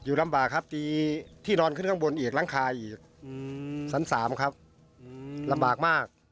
ลำบากครับตีที่นอนขึ้นข้างบนอีกหลังคาอีกชั้น๓ครับลำบากมาก